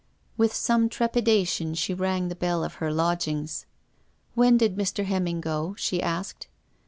With some trepidation she rang the bell of her lodgings. " When did Mr. Hemming go ?" she asked.